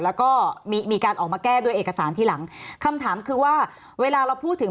แล้วก็มีการออกมาแก้ด้วยเอกสารทีหลังคำถามคือว่าเวลาเราพูดถึง